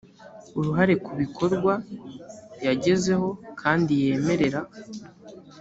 uruhare ku bikorwa yagezeho kandi yemerera